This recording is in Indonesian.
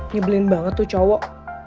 nyebelin banget tuh cowok